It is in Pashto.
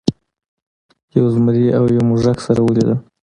یو زمري او یو موږک سره ولیدل.